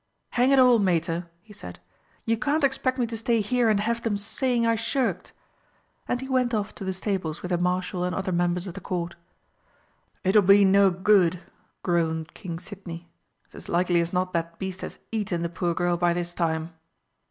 "Hang it all, Mater!" he said, "you can't expect me to stay here and have them saying I shirked!" And he went off to the stables with the Marshal and other members of the Court. "It'll be no good!" groaned King Sidney. "It's as likely as not that beast has eaten the poor girl by this time!"